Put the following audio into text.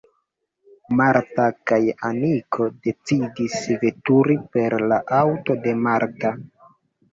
Marta kaj Aniko decidis veturi per la aŭto de Marta.